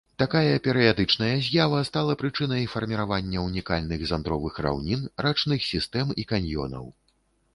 Такая перыядычная з'ява стала прычынай фарміравання унікальных зандровых раўнін, рачных сістэм і каньёнаў.